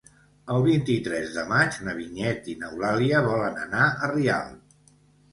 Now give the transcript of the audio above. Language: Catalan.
El vint-i-tres de maig na Vinyet i n'Eulàlia volen anar a Rialp.